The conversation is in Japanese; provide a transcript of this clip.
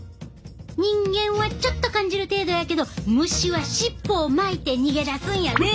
人間はちょっと感じる程度やけど虫は尻尾を巻いて逃げ出すんやで！